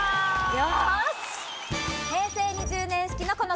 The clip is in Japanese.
よし！